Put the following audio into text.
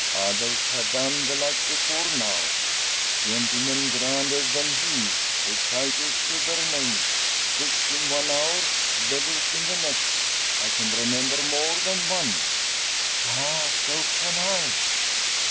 Others have done the like before now gentlemen grander than he, with titles to their names rich in one hour, beggars in the next. I can remember more than one." "Ah! so can I."